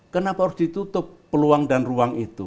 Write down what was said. kenapa harus ditutup peluang dan ruang itu